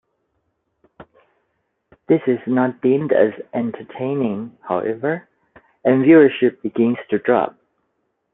This is not deemed as entertaining, however, and viewership begins to drop.